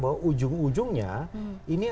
bahwa ujung ujungnya ini